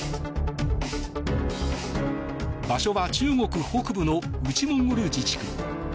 場所は中国北部の内モンゴル自治区。